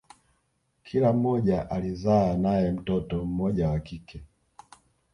Kila mmoja alizaa nae mtoto mmoja wa kike